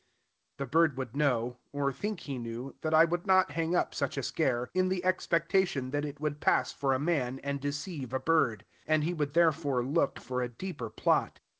The bird would know, or think he knew, that I would not hang up such a scare, in the expectation that it would pass for a man, and deceive a bird; and he would therefore look for a deeper plot.